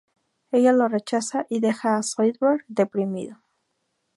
Ella lo rechaza y deja a Zoidberg deprimido.